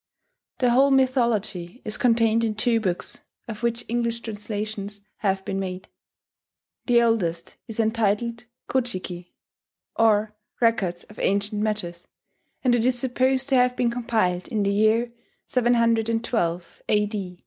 The whole mythology is contained in two books, of which English translations have been made. The oldest is entitled Ko ji ki, or "Records of Ancient Matters"; and it is supposed to have been compiled in the year 712 A.